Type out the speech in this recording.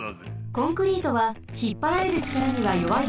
コンクリートはひっぱられるちからにはよわいですが。